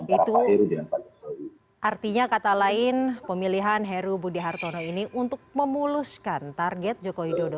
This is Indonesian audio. itu artinya kata lain pemilihan heru budi hartono ini untuk memuluskan target joko widodo